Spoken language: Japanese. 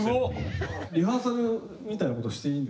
リハーサルみたいな事していい？